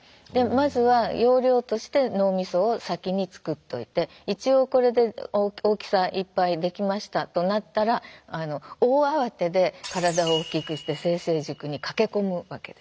まずは容量として脳みそを先につくっといて一応これで大きさいっぱいできましたとなったら大慌てで体を大きくして性成熟に駆け込むわけです。